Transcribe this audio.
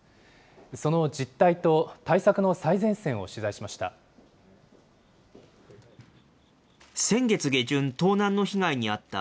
その実態と対策の最前線を取材しました。